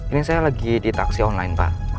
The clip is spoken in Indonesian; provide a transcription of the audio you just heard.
ini saya lagi di taksi online pak